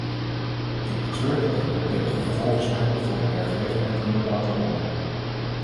Ik betreur dat dit nadelige gevolgen zal hebben voor de werkgelegenheid in bepaalde landen.